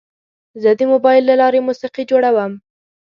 زه د موبایل له لارې موسیقي جوړوم.